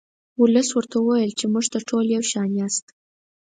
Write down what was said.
ولس ورته وویل چې موږ ته ټول یو شان یاست.